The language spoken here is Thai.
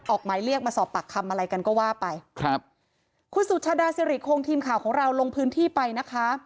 หมายเรียกมาสอบปากคำอะไรกันก็ว่าไปครับคุณสุชาดาสิริคงทีมข่าวของเราลงพื้นที่ไปนะคะ